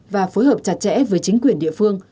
và phối hợp chặt chẽ với chính quyền địa phương